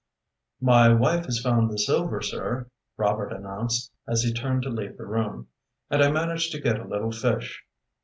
"My wife has found the silver, sir," Robert announced, as he turned to leave the room, "and I managed to get a little fish.